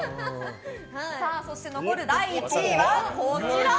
そして残る第１位はこちら。